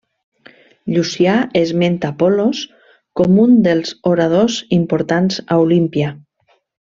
Llucià esmenta Polos com un dels oradors importants a Olímpia.